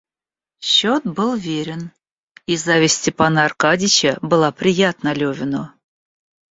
Счет был верен, и зависть Степана Аркадьича была приятна Левину.